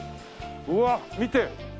うわっ見て！